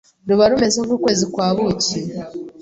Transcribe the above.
ruba rumeze nk’ukwezi kwa buki